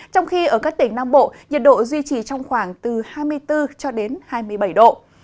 trong khi ở các tỉnh nam bộ nhiệt độ duy trì trong khoảng từ hai mươi bốn cho đến hai mươi bảy độ